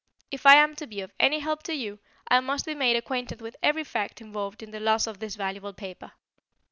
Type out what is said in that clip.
If I am to be of any help to you, I must be made acquainted with every fact involved in the loss of this valuable paper.